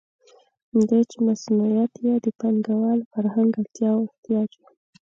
دوی چې مصونیت یې د پانګوال فرهنګ اړتیا او احتیاج وي.